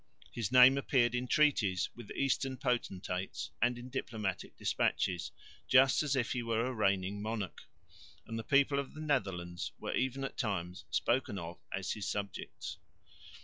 His name appeared in treaties with eastern potentates and in diplomatic despatches, just as if he were a reigning monarch; and the people of the Netherlands were even at times spoken of as his subjects.